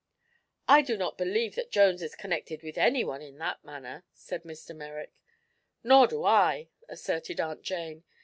"I do not believe that Jones is connected with anyone in that manner," said Mr. Merrick. "Nor do I," asserted Aunt Jane.